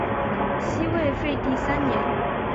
西魏废帝三年。